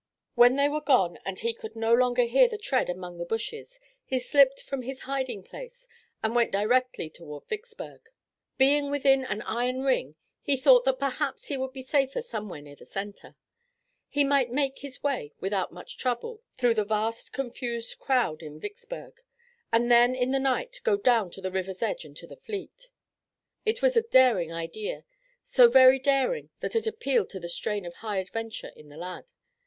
When they were gone and he could no longer hear their tread among the bushes he slipped from his hiding place and went directly toward Vicksburg. Being within an iron ring he thought that perhaps he would be safer somewhere near the center. He might make his way without much trouble through the vast confused crowd in Vicksburg, and then in the night go down the river's edge and to the fleet. It was a daring idea, so very daring that it appealed to the strain of high adventure in the lad.